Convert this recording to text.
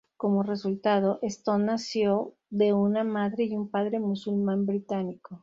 Como resultado, Stone nació de una madre y un padre musulmán británico.